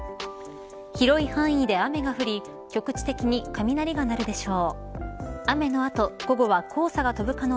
広い範囲で雨が降り局地的に雷が鳴るでしょう。